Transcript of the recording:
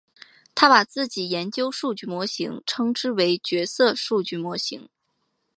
他把自己研究数据模型称之为角色数据模型。